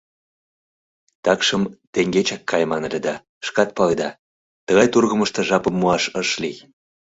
Такшым, теҥгечак кайыман ыле да, шкат паледа, тыгай тургымышто жапым муаш ыш лий.